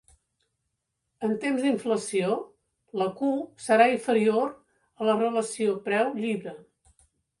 En temps d'inflació, la Q serà inferior a la relació preu-llibre.